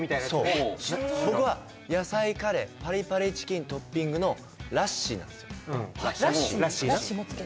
そう僕は野菜カレーパリパリチキントッピングのラッシーなんですよ